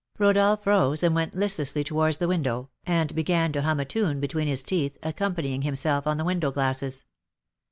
Rodolph rose and went listlessly towards the window, and began to hum a tune between his teeth, accompanying himself on the window glasses.